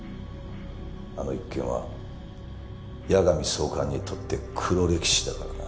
あの一件は矢上総監にとって黒歴史だからな。